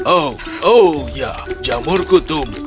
oh oh ya jamur kutum